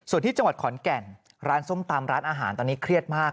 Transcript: ส่วนที่จังหวัดขอนแก่นร้านส้มตำร้านอาหารตอนนี้เครียดมาก